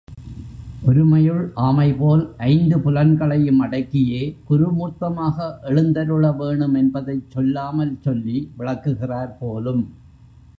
ஒருமையுள் ஆமை போல் ஐந்து புலன்களையும் அடக்கியே குருமூர்த்தமாக எழுந்தருளவேணும் என்பதைச் சொல்லாமல் சொல்லி விளக்குகிறார் போலும்.